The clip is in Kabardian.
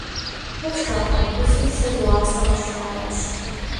Fe fşşxa xharbızır se dığuase khesharaş.